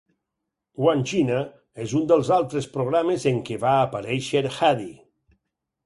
Wandjina! és un dels altres programes en què va aparèixer Haddy.